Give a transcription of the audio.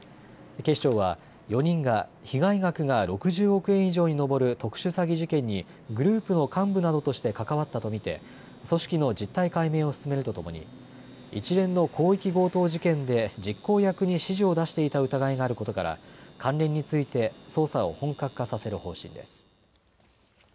警視庁は４人が被害額が６０億円以上に上る特殊詐欺事件にグループの幹部などとして関わったと見て組織の実態解明を進めるとともに一連の広域強盗事件で実行役に指示を出していた疑いがあることから関連について捜査を本格化させる方針です。